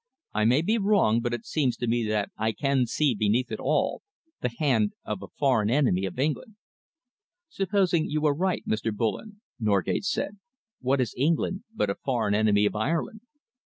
I may be wrong, but it seems to me that I can see beneath it all the hand of a foreign enemy of England." "Supposing you were right, Mr. Bullen," Norgate said, "what is England but a foreign enemy of Ireland?"